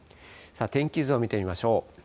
天気図を見てみましょう。